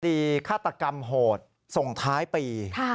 ฆาตกรรมโหดส่งท้ายปี